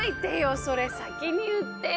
それ先に言ってよ